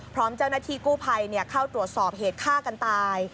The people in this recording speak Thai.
พร้อมเจ้าหน้าที่กู้ภัยเข้าตรวจสอบเหตุฆ่ากันตาย